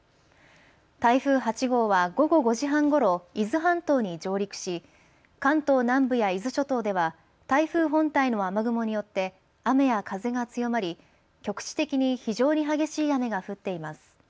台風８号は午後５時半ごろ伊豆半島に上陸し、関東南部や伊豆諸島では台風本体の雨雲によって雨や風が強まり局地的に非常に激しい雨が降っています。